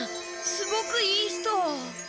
すごくいい人。